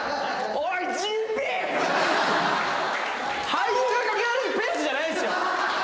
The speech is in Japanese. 俳優がかけられるペースじゃないですよ。